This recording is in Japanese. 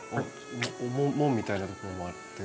門みたいなところもあって。